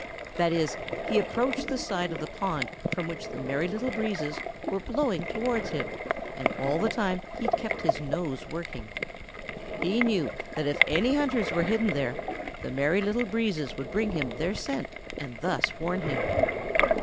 That is, he approached the side of the pond from which the Merry Little Breezes were blowing toward him, and all the time he kept his nose working. He knew that if any hunters were hidden there, the Merry Little Breezes would bring him their scent and thus warn him.